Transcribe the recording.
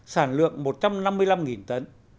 sản lượng một trăm năm mươi năm tấn